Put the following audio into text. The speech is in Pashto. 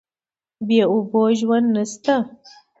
بې اوبو ژوند نشته.